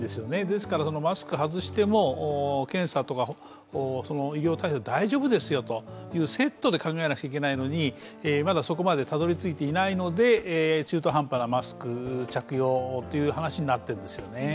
ですからマスクを外しても検査とか医療体制は大丈夫ですとセットで考えなくちゃいけないのに、まだそこまでたどり着いていないので、中途半端なマスク着用という話になっているんですよね。